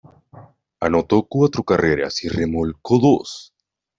Anotó cuatro carreras y remolcó dos.